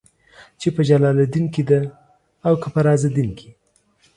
چې په جلال الدين کې ده او که په رازالدين کې.